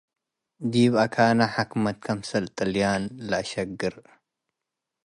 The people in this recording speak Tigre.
ዲብ አካነ ሐክመት ክምሰል ጥልያን ለአሽግር